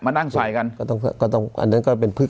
นั่งใส่กันก็ต้องก็ต้องอันนั้นก็เป็นพึก